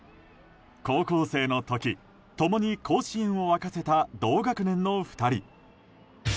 高校生の時、共に甲子園を沸かせた同学年の２人。